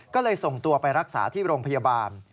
ก็เลยส่งตัวไปรักษาที่โรงพยาบาล